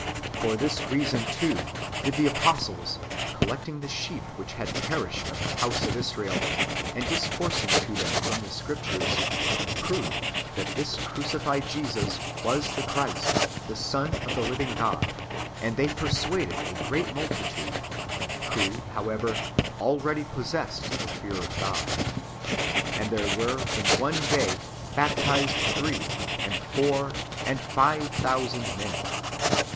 For this reason, too, did the apostles, collecting the sheep which had perished of the liouse of Israel, and discoursing to them from the Scriptures, prove that this crucified Jesus was the Christ, the Son of the living God ; and they persuaded a great multitude, who, how ever, [already] possessed the fear of God. And there were, in one day, baptized three, and four, and five thousand men.